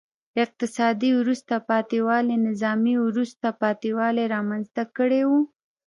اقتصادي وروسته پاتې والي نظامي وروسته پاتې والی رامنځته کړی و.